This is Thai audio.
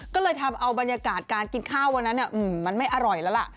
ก็เลยทำเอาบรรยากาศการกินข้าววันนั้นมันไม่อร่อยแล้วล่ะ